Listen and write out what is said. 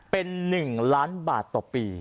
เป็น๑ล้านบาทต่อปี